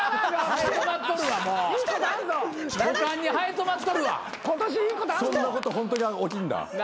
そんなことホントに起きんだ。